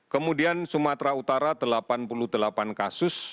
kemudian sumatera utara delapan puluh delapan kasus